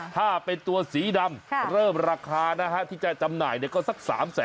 ถ้าเป็นตัวสีดำเริ่มราคานะฮะที่จะจำหน่ายก็สัก๓แสน